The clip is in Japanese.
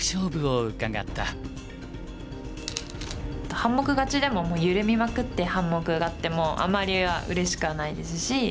半目勝ちでも緩みまくって半目勝ってもあまりうれしくはないですし。